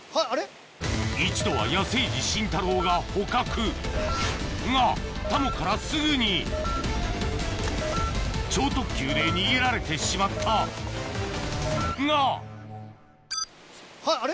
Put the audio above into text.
一度は野性児慎太郎が捕獲がタモからすぐに超特急で逃げられてしまったがあれ？